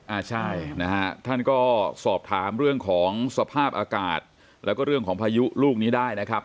อ่าใช่นะฮะท่านก็สอบถามเรื่องของสภาพอากาศแล้วก็เรื่องของพายุลูกนี้ได้นะครับ